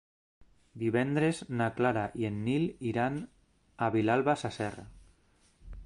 Divendres na Clara i en Nil iran a Vilalba Sasserra.